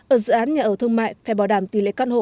ở dự án nhà ở thương mại phải bảo đảm tỷ lệ căn hộ